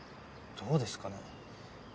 どうですかね。